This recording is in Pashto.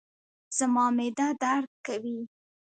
زما معده درد کوي